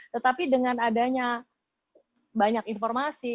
tetapi dengan adanya banyak informasi